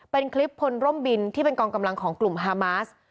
เป็นคลิปพลร่มบินที่เป็นกองกำลังของกลุ่มฮามาส